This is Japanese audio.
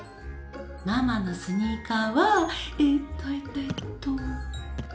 ママのスニーカーはえっとえっとえっと